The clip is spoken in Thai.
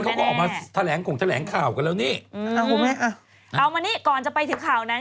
เขาก็ออกมาแถลงของแถลงข่าวกันแล้วนี่เอามานี่ก่อนจะไปถึงข่าวนั้น